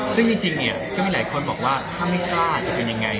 ซึ่งจริงเนี่ยก็มีหลายคนบอกว่าถ้าไม่กล้าจะเป็นยังไง